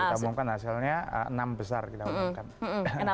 kita umumkan hasilnya enam besar kita umumkan